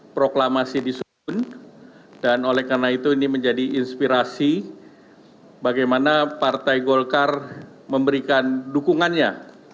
proklamasi disusun dan oleh karena itu ini menjadi inspirasi bagaimana partai golkar memberikan dukungannya